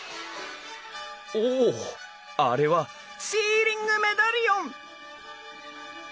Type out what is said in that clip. おあれはシーリングメダリオン！